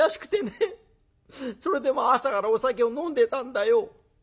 それでもう朝からお酒を飲んでたんだよ」。